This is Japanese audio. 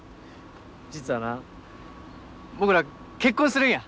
実はな僕ら結婚するんや。